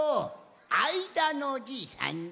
あいだのじいさんじゃ。